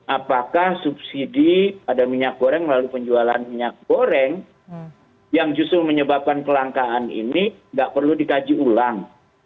apakah subsidi pada minyak goreng melalui penjualan minyak goreng yang justru menyebabkan kelangkaan ini nggak perlu dikaji ulang